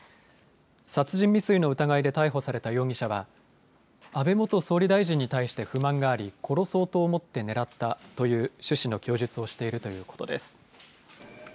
殺人未遂の疑いで逮捕された容疑者は安倍元総理大臣に対して不満があり、殺そうと思って狙ったという趣旨の供述をしているということです。